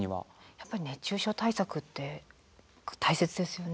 やっぱり熱中症対策って大切ですよね。